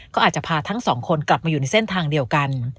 ก็อาจจะพาทั้งสองคนกลับมาอยู่ในเส้นทางเดียวกัน